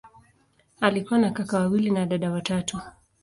Alikuwa na kaka wawili na dada watatu.